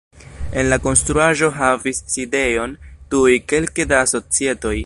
En la konstruaĵo havis sidejon tuj kelke da societoj.